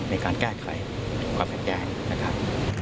ในการแก้ไขความขัดแย้งนะครับ